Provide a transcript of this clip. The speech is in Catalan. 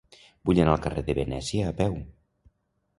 Vull anar al carrer de Venècia a peu.